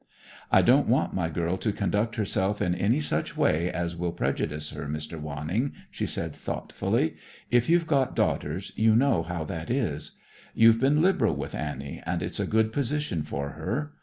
"I don't want my girl to conduct herself in any such way as will prejudice her, Mr. Wanning," she said thoughtfully. "If you've got daughters, you know how that is. You've been liberal with Annie, and it's a good position for her.